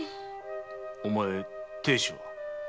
お前亭主は？